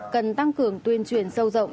cần tăng cường tuyên truyền sâu rộng